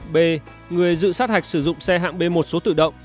b người dự sát hạch sử dụng xe hạng b một số tự động